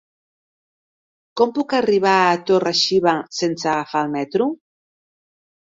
Com puc arribar a Torre-xiva sense agafar el metro?